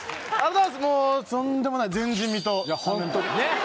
もうとんでもないいやホントにねっ！